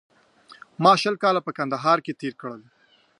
ما شل کاله په کندهار کې تېر کړل